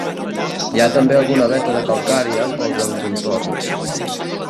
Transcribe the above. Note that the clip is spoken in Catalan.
Hi ha també alguna veta de calcària pels encontorns.